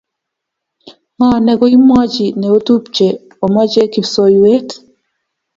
ng'o nekoimwachi ne otupche omache kipsoiywet